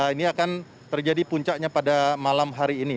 ini akan terjadi puncaknya pada malam hari ini